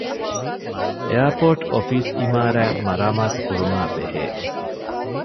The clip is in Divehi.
އެއަރޕޯޓް އޮފީސް އިމާރާތް މަރާމާތުކުރުމާ ބެހޭ